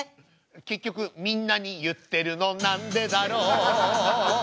結局みんなに言ってるのなんでだろう